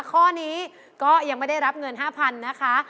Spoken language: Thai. ข้อนี้ก็ยังไม่ได้รับเงิน๕๐๐๐นะคะ